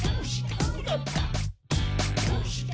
「どうして？